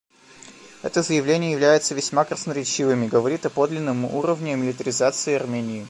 Это заявление является весьма красноречивым и говорит о подлинном уровне милитаризации Армении.